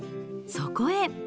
そこへ。